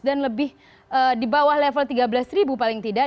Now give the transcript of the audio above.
dan lebih di bawah level tiga belas paling tidak